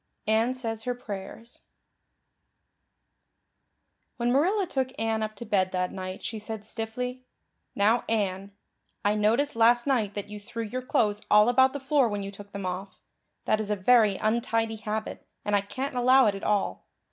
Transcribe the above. Anne Says Her Prayers WHEN Marilla took Anne up to bed that night she said stiffly: "Now, Anne, I noticed last night that you threw your clothes all about the floor when you took them off. That is a very untidy habit, and I can't allow it at all.